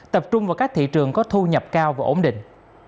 tập trung vào các thị trường có thu nhập cao và ổn định